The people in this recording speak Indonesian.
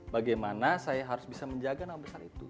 bagaimana saya harus bisa menjaga nama besar itu